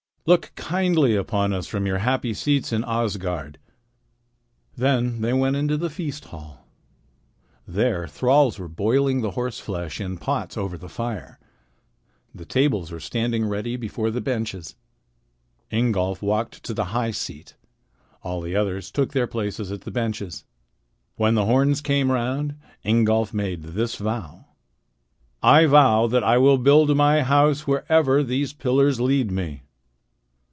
"Look kindly on us from your happy seats in Asgard." Then they went into the feast hall. There thralls were boiling the horseflesh in pots over the fire. The tables were standing ready before the benches. Ingolf walked to the high seat. All the others took their places at the benches. When the horns came round, Ingolf made this vow: "I vow that I will build my house wherever these pillars lead me."